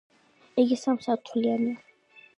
იგი სამ სართულიანია.